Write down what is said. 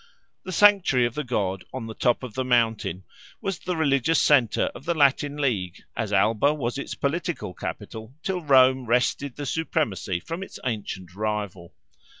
The sanctuary of the god on the top of the mountain was the religious centre of the Latin League, as Alba was its political capital till Rome wrested the supremacy from its ancient rival.